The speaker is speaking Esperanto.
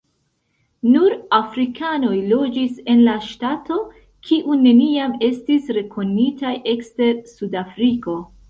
Nur afrikanoj loĝis en la ŝtato, kiu neniam estis rekonitaj ekster Sudafriko.